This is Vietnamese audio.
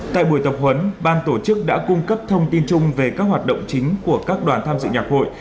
tại buổi tập huấn ban tổ chức đã cung cấp thông tin chung về các hoạt động chính của các đoàn tham dự nhạc hội